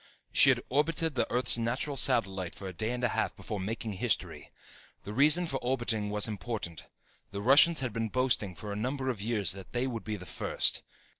She had orbited the Earth's natural satellite for a day and a half before making history. The reason for orbiting was important. The Russians had been boasting for a number of years that they would be first.